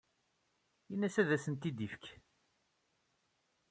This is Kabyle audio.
Ini-as ad asen-tent-id-yefk.